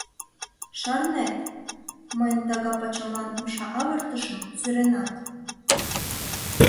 — Шарнет… мыйын тага пачамлан умша авыртышым… сӧренат…